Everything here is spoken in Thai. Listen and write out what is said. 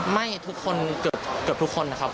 ไม่เกือบทุกคนนะครับ